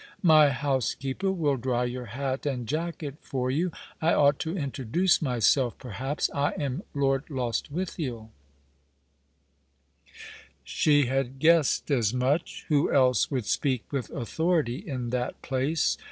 My housekeeper will dry your hat and jacket for you. I ought to introduce myself, perhaps. I am Lord Lostwithiel." She had guessed as much. Who else would speak with authority in that place?